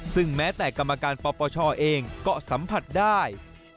ซึ่งแม้แต่กรรมการปปชเองก็สัมผัสได้